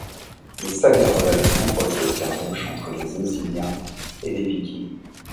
Les sagas relatent de nombreuses escarmouches entre les Osiliens et les Vikings.